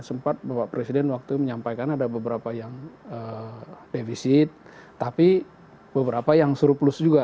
sempat bapak presiden waktu menyampaikan ada beberapa yang defisit tapi beberapa yang surplus juga